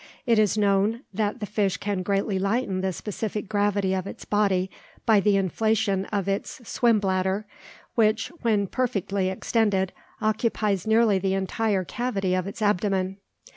It is known that the fish can greatly lighten the specific gravity of its body by the inflation of its "swim bladder," which, when perfectly extended, occupies nearly the entire cavity of its abdomen.